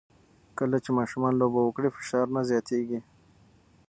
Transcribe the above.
کله چې ماشومان لوبه وکړي، فشار نه زیاتېږي.